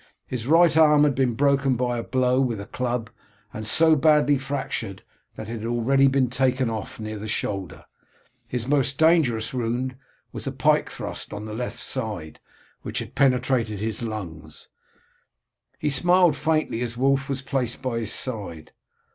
His right arm had been broken by a blow with a club, and so badly fractured that it had already been taken off near the shoulder. His most dangerous wound was a pike thrust on the left side, which had penetrated his lungs. He smiled faintly as Wulf was placed by his side.